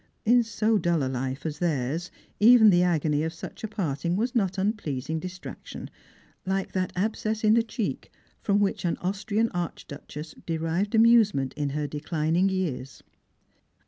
In so dull a life as theirs even the agony of such a part ing was not unpleasing distraction, like that abscess in the cheek from which an Austi'ian archduchess derived amusement in her declining years.